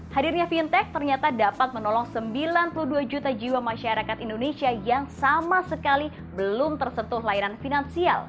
hadirnya fintech ternyata dapat menolong sembilan puluh dua juta jiwa masyarakat indonesia yang sama sekali belum tersentuh layanan finansial